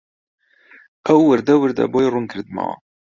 ئەو وردوردە بۆی ڕوون کردمەوە